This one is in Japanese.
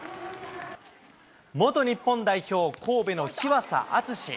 元日本代表、神戸の日和佐篤。